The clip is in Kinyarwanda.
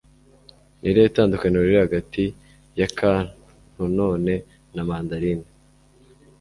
ni irihe tandukaniro riri hagati ya kantonone na mandarin